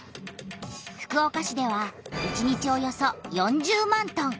福岡市では１日およそ４０万トン！